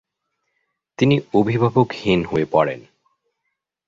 তিনি অভিভাবকহীন হয়ে পড়েন।